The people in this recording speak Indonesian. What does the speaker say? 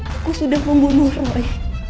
aku sudah membunuh roy